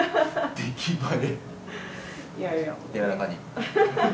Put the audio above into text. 出来栄え。